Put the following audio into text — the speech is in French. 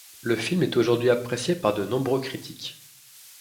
Le film est aujourd'hui apprécié par de nombreux critiques.